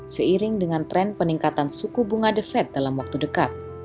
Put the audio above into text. seiring dengan tren peningkatan suku bunga the fed dalam waktu dekat